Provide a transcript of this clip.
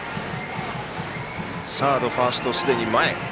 サード、ファーストすでに前。